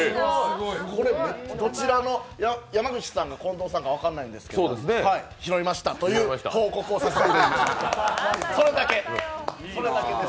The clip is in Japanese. これ、どちらの山口さんか近藤さんか分からないんですけど、拾いましたという報告をさせていただきましたそれだけ、それだけです。